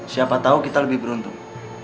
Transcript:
siapa tahu kita lebih beruntung